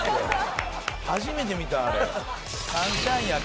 初めて見たあれ。